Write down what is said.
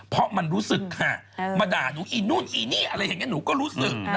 เพราะมันรู้สึกค่ะมาด่าหนูอีนู่นอีนี่อะไรอย่างนี้หนูก็รู้สึก